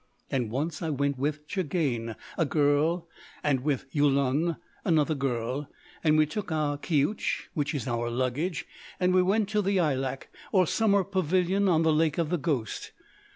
And once I went with Tchagane—a girl—and with Yulun—another girl—and we took our keutch, which is our luggage, and we went to the yaïlak, or summer pavilion on the Lake of the Ghost.